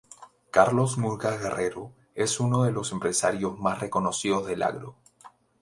Carlos Murgas Guerrero es uno de los empresarios más reconocidos del agro.